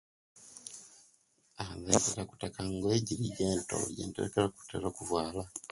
Ingaife intaka igoe ejiri gentol jitekera okutera okuvala